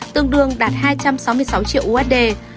tương đương đạt hai trăm sáu mươi sáu triệu usd